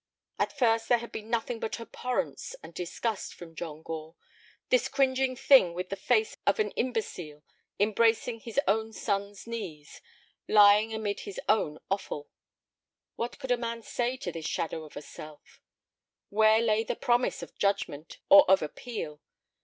At first there had been nothing but abhorrence and disgust for John Gore. This cringing thing with the face of an imbecile, embracing his own son's knees, lying amid his own offal! What could a man say to this shadow of a self? Where lay the promise of judgment or of appeal?